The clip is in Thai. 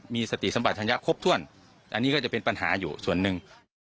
มีสติสัมปัชญะครบถ้วนอันนี้ก็จะเป็นปัญหาอยู่ส่วนหนึ่ง